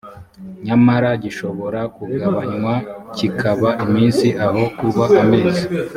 nyamara gishobora kugabanywa kikaba iminsi aho kuba amezi